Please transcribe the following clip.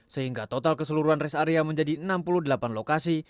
sehingga total keseluruhan res area menjadi enam puluh delapan lokasi